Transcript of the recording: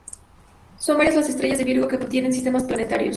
Son varias las estrellas de Virgo que tienen sistemas planetarios.